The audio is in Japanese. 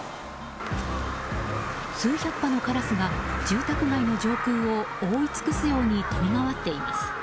数百羽のカラスが住宅街の上空を覆い尽くすように飛び回っています。